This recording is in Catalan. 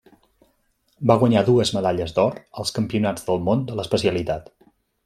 Va guanyar dues medalles d'or, als Campionats del Món de l'especialitat.